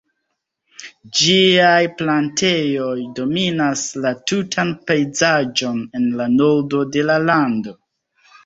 Ĝiaj plantejoj dominas la tutan pejzaĝon en la nordo de la lando.